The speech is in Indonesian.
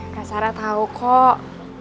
kak sarah tau kok